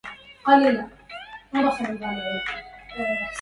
ووفاءً مُحقَّقاً وصفاءَ